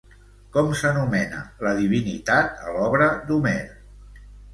Com s'anomena la divinitat a l'obra d'Homer?